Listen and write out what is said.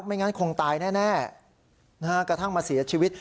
ไม่งั้นคงตายแน่กระทั่งมาเสียชีวิต